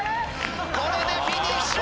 これでフィニッシュ！